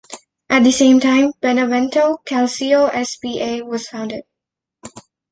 At the same time Benevento Calcio S.p.A. was founded.